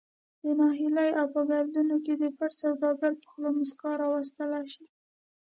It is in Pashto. د نهیلي او په گردونو کی د پټ سوداگر په خوله مسکا راوستلې شي